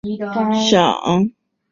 这一决定立即引来外界回响。